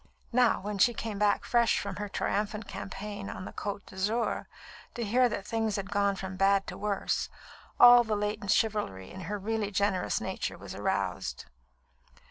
Now, when she came back fresh from her triumphant campaign on the Côte d'Azur, to hear that things had gone from bad to worse, all the latent chivalry in her really generous nature was aroused.